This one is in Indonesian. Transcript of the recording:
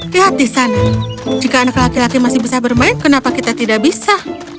lihat di sana jika anak laki laki masih bisa bermain kenapa kita tidak bisa